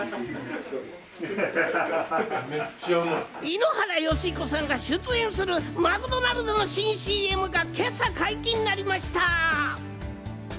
井ノ原快彦さんが出演するマクドナルドの新ＣＭが今朝、解禁になりました。